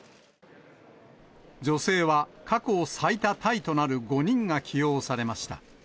女性は過去最多タイとなる５人が起用されました。